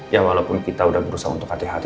ya walaupun kita sudah berusaha untuk hati hati